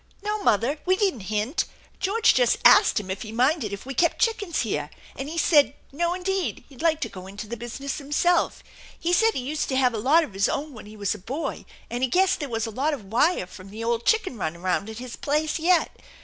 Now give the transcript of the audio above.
No, mother, we didn't hint. George just asked him if he minded if we kept chickens here, and he said no, indeed, he'd like to go into the business himself. He said he used to have a lot of his own when he was a boy, and he guessed there was a lot of wire from the old chicken run around at his place yet.